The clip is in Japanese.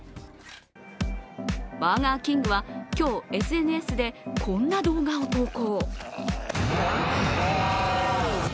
バーガーキングは今日、ＳＮＳでこんな動画を投稿。